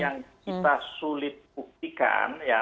yang kita sulit buktikan ya